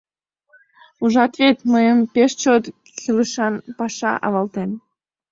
Ужат вет: мыйым пеш чот кӱлешан паша авалтен.